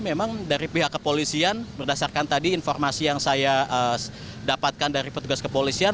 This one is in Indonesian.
memang dari pihak kepolisian berdasarkan tadi informasi yang saya dapatkan dari petugas kepolisian